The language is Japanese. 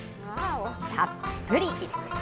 たっぷり。